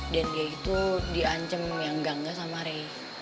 dan dia itu di ancem yang gangga sama ray